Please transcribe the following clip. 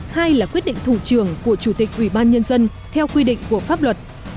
hai là quyết định thủ trường của chủ tịch ủy ban nhân dân theo quy định của pháp luật